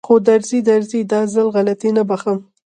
خو درځي درځي دا ځل غلطي نه بښم.